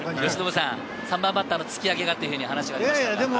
３番バッターの突き上げという話がありました。